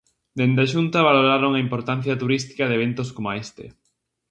Dende a Xunta, valoraron a importancia turística de eventos coma este.